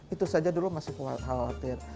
itu saja dulu masih khawatir